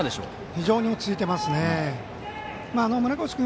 非常に落ち着いていますね。